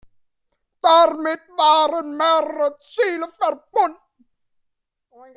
Damit waren mehrere Ziele verbunden.